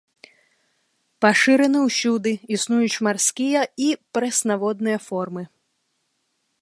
Пашыраны ўсюды, існуюць марскія і прэснаводныя формы.